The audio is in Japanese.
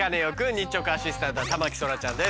日直アシスタントは田牧そらちゃんです。